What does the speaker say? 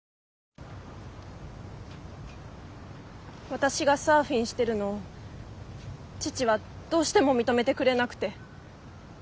私がサーフィンしてるのを父はどうしても認めてくれなくて。